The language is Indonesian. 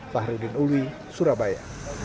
fahriudin uluwi surabaya